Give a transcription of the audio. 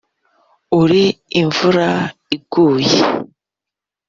uri imvura iguye